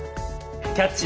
「キャッチ！